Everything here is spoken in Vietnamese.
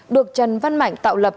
được trần văn mạnh tạo lập